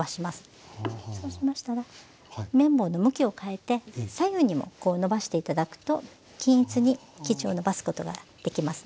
そうしましたら麺棒の向きを変えて左右にもこうのばして頂くと均一に生地をのばすことができますね。